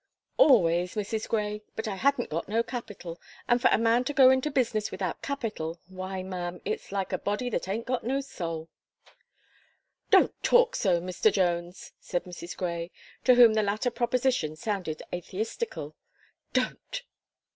"Always, Mrs. Gray; but I hadn't got no capital; and for a man to go into business without capital, why, ma'am, it's like a body that aint got no soul." "Don't talk so, Mr. Jones," said Mrs. Gray, to whom the latter proposition sounded atheistical, "don't!"